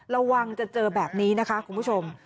ระวังจะเจอแบบนี้นะคะคุณผู้ชม